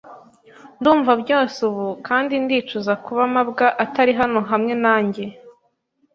Ndumva byose ubu kandi ndicuza kuba mabwa atari hano hamwe nanjye.